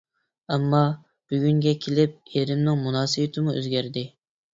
ئەمما، بۈگۈنگە كېلىپ ئېرىمنىڭ مۇناسىۋىتىمۇ ئۆزگەردى.